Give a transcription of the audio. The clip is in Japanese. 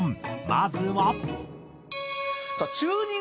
まずは。